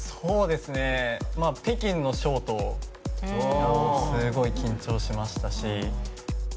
北京のショートもすごい緊張しましたし。